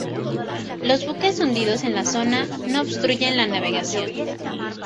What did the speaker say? Los buques hundidos en la zona no obstruyen la navegación.